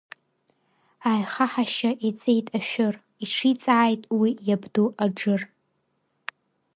Аихаҳашьа иҵеит ашәыр, иҿиҵааит уи иабду Аџыр.